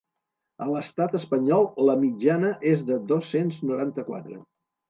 A l’estat espanyol la mitjana és de dos-cents noranta-quatre.